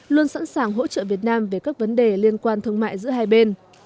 luôn sẵn sàng hỗ trợ việt nam về các vấn đề liên quan thương mại giữa hai bên